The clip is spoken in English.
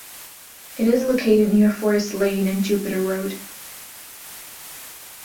It is located near Forest Lane and Jupiter Road.